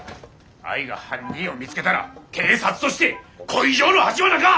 あいが犯人を見つけたら警察としてこい以上の恥はなか！